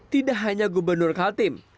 tidak hanya gubernur kaltim